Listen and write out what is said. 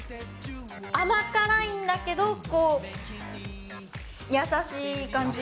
甘辛いんだけど、こう、優しい感じ。